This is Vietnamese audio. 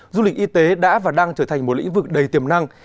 du lịch y tế đã và đang trở thành một lĩnh vực đầy tiềm năng